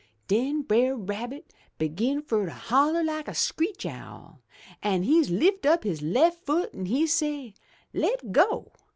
Den Brer Rabbit begin fur to holler like a screech owl, an' he lift up his left foot an' he say, 'Le' go!